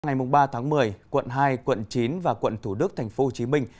ngày ba tháng một mươi quận hai quận chín và quận thủ đức thành phố hồ chí minh